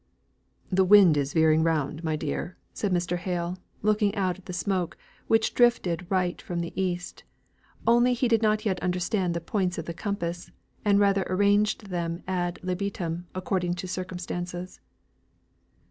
"The wind is veering round, my dear," said Mr. Hale, looking out at the smoke, which drifted right from the east, only he did not yet understand the points of the compass, and rather arranged them ad libitum according to circumstances.